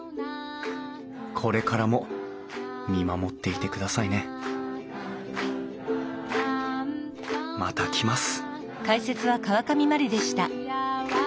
これからも見守っていてくださいねまた来ます